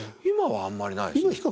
今はあんまりないですね。